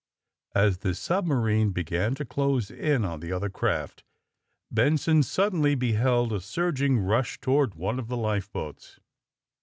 As the submarine began to close in on the other craft Benson suddenly beheld a surging rush toward one of the life boats.